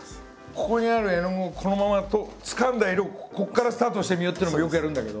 ここにある絵の具をこのままつかんだ色ここからスタートしてみようっていうのもよくやるんだけど。